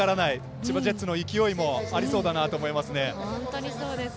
千葉ジェッツの勢いもありそうだなと思いますね。